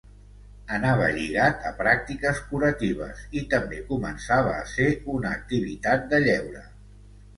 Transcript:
Anava lligat a pràctiques curatives i també començava a ser una activitat de lleure.